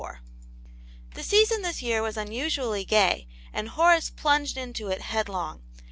THE season this year was unusually gay, and Horace plunged into it headlong.